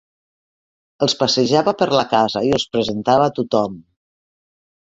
Els passejava per la casa i els presentava tothom.